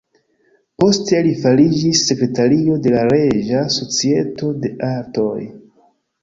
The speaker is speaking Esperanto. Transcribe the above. Poste li fariĝis sekretario de la Reĝa Societo de Artoj.